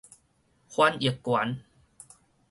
翻譯權